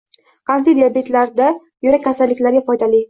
Qandli diabetlarda, yurak kasalliklariga foydali.